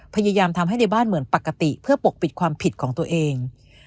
พยายามทำให้ในบ้านเหมือนปกติเพื่อปกปิดความผิดของตัวเอง